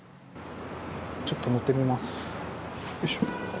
ちょっと乗ってみます。